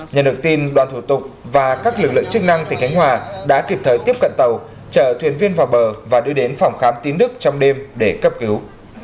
nhận được tin đoàn thủ tục và các lực lượng chức năng tỉnh khánh hòa đã kịp thời tiếp cận tàu chở thuyền viên vào bờ và đưa đến phòng khám tín đức trong đêm để cấp cứu